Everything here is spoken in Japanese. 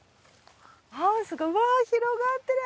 ハウスがうわー、広がってる。